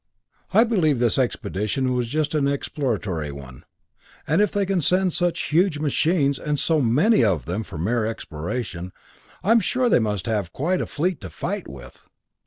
"I believe this expedition was just an exploratory one; and if they can send such huge machines and so many of them, for mere exploration, I'm sure they must have quite a fleet to fight with.